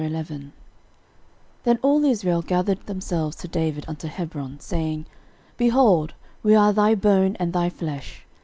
13:011:001 Then all Israel gathered themselves to David unto Hebron, saying, Behold, we are thy bone and thy flesh.